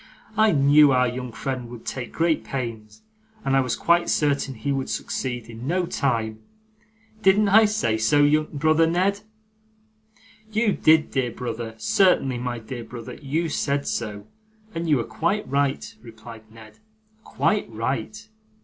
'I knew our young friend would take great pains, and I was quite certain he would succeed, in no time. Didn't I say so, brother Ned?' 'You did, my dear brother; certainly, my dear brother, you said so, and you were quite right,' replied Ned. 'Quite right.